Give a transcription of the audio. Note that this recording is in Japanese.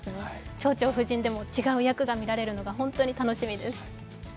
「蝶々夫人」でも違う役が見られるのが本当に楽しみです。